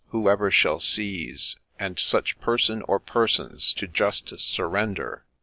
— Whoever shall seize, And such person, or persons, to justice surrender.